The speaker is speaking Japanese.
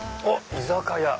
「居酒屋」！